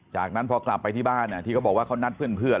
จากนั้นพอกลับไปที่บ้านที่เขาบอกว่าเขานัดเพื่อน